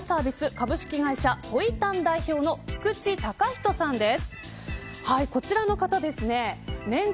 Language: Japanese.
株式会社ポイ探代表の菊地崇仁さんです。